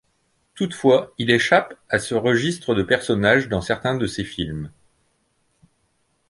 Toutefois il échappe à ce registre de personnage dans certains de ces films.